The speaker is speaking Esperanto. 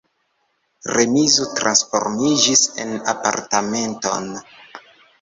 Remizo transformiĝis en apartamenton.